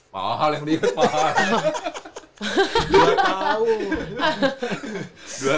mahal yang di liga